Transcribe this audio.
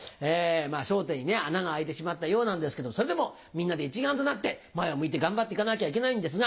『笑点』に穴があいてしまったようなんですけどもそれでもみんなで一丸となって前を向いて頑張って行かなきゃいけないんですが。